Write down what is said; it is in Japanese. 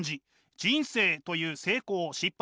人生という成功失敗